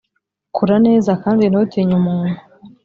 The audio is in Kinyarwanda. kora neza kandi ntutinye umuntu